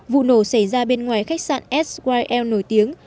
vụ nổ xảy ra bên ngoài khách sạn skyl nổi tiếng